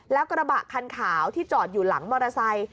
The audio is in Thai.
แล้วกระบะคันขาวที่จอดอยู่หลังมอเตอร์ไซค์